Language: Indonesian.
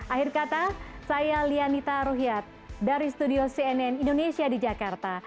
akhir kata saya lianita ruhyat dari studio cnn indonesia di jakarta